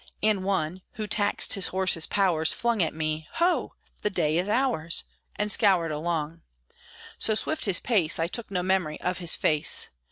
And one, who taxed his horse's powers, Flung at me, "Ho! the day is ours!" And scoured along. So swift his pace, I took no memory of his face.